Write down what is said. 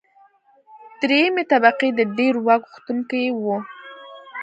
درېیمې طبقې د ډېر واک غوښتونکي وو.